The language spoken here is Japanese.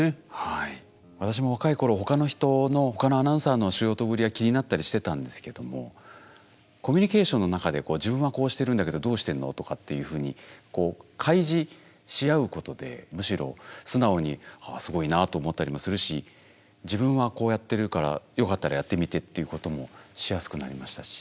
私も若い頃他の人の他のアナウンサーの仕事ぶりが気になったりしてたんですけどもコミュニケーションの中で自分はこうしてるんだけどどうしてるの？とかっていうふうに開示し合うことでむしろ素直にああすごいなと思ったりもするし自分はこうやってるからよかったらやってみてっていうこともしやすくなりましたし。